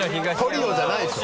トリオじゃないでしょ。